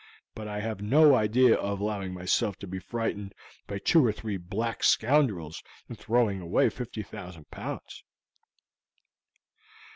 But I have no idea of allowing myself to be frightened by two or three black scoundrels into throwing away 50,000 pounds."